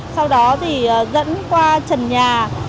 sau đó thì dẫn qua trần nhà